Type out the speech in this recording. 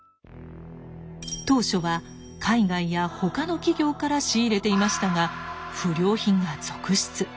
当初は海外や他の企業から仕入れていましたが不良品が続出。